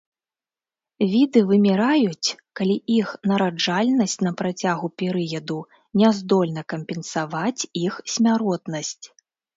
Віды выміраюць, калі іх нараджальнасць на працягу перыяду не здольна кампенсаваць іх смяротнасць.